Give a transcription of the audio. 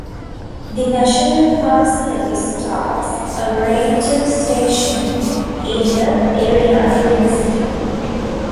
The National Park Service staffs a ranger station in the area during the summer.